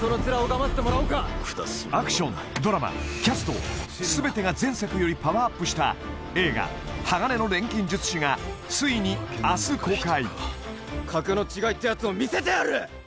拝ませてもらおうかアクションドラマキャスト全てが前作よりパワーアップした映画「鋼の錬金術師」がついに明日公開格の違いってやつを見せてやる！